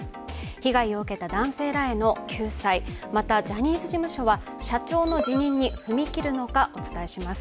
被害を受けた男性らへの救済また、ジャニーズ事務所は社長の辞任に踏み切るのかお伝えします。